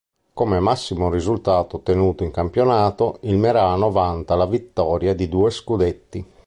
Come massimo risultato ottenuto in campionato il Merano vanta la vittoria di due scudetti.